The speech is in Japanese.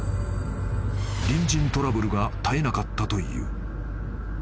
［隣人トラブルが絶えなかったという］